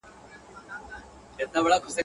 زموږ پاچا دی موږ په ټولو دی منلی.